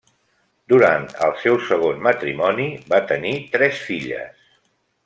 Durant el seu segon matrimoni va tenir tres filles.